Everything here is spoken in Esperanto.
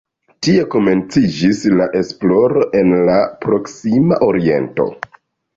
Tie komenciĝis la esploro en la Proksima Oriento.